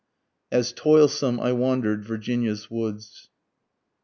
AS TOILSOME I WANDER'D VIRGINIA'S WOODS.